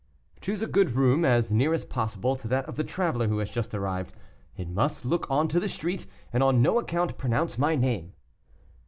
"Choose a good room, as near as possible to that of the traveler who has just arrived; it must look on to the street, and on no account pronounce my name."